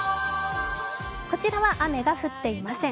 こちらは雨が降っていません。